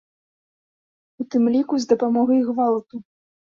У тым ліку з дапамогай гвалту.